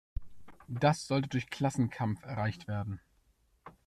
Das sollte durch Klassenkampf erreicht werden.